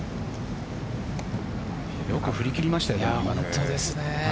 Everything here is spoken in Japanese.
よく振り切りましたよね。